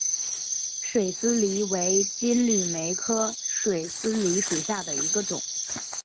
水丝梨为金缕梅科水丝梨属下的一个种。